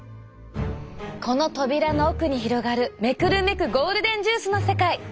この扉の奥に広がる目くるめくゴールデンジュースの世界。